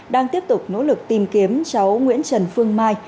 đang tiếp tục nỗ lực tìm kiếm cháu nguyễn trần phương mai